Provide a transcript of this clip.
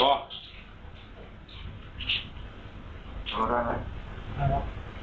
อะไรวะ